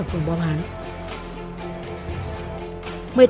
đối tượng phạm thanh dương